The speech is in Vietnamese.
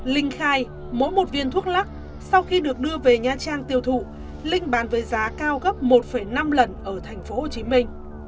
linh khai mỗi một viên thuốc lắc sau khi được đưa về nha trang tiêu thụ linh bán với giá cao gấp một năm lần ở thành phố hồ chí minh